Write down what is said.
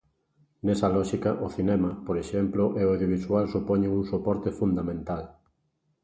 Nesa lóxica, o cinema, por exemplo, e o audiovisual supoñen un soporte fundamental.